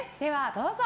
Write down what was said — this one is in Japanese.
どうぞ。